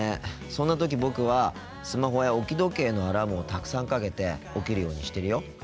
そんな時僕はスマホや置き時計のアラームをたくさんかけて起きるようにしてるよ。